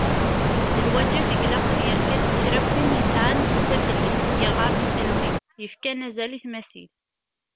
D lwaǧeb i ilaq ad yerfed kra n win yesεan tafrit, yeɣɣaren i talwit, yefkan azal i tmasit.